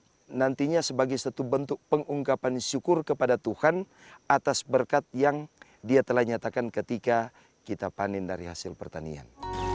ini nantinya sebagai satu bentuk pengungkapan syukur kepada tuhan atas berkat yang dia telah nyatakan ketika kita panen dari hasil pertanian